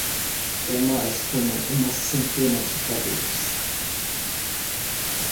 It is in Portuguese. É mais como uma centena de pandeiros.